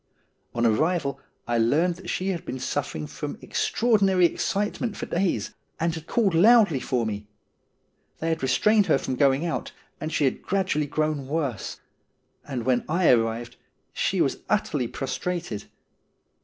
On arrival, I learned that she had been suffering from ex traordinary excitement for days, and had called loudly for me. They had restrained her from going out, and she had gradually grown worse ; and when I arrived she was utterly prostrated.